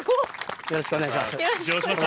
よろしくお願いします。